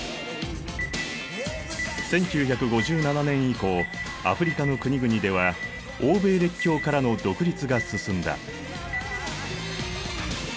１９５７年以降アフリカの国々では欧米列強からの独立が進んだ。